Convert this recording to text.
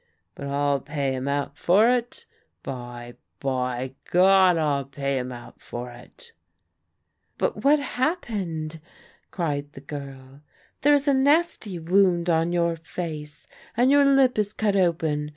But I'll pay him out for it I By — ^by God, I'll pay him out for it !" "But what happened?" cried^the girl. "There is a nasty wound on your face, and your lip is cut open.